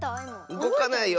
うごかないよ。